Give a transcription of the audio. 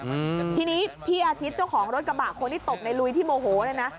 อืมทีนี้พี่อาทิตย์เจ้าของรถกระบะคนที่ตบในลุยที่โมโหเนี่ยนะ